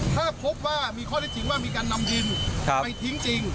ถ้าพบว่ามีข้อได้จริงว่ามีการนำดินไปทิ้งจริง